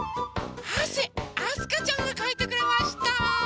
はせあすかちゃんがかいてくれました。